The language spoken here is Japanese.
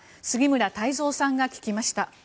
杉村太蔵さんが聞きました。